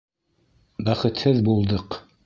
Бәхетһеҙ булдыҡ!...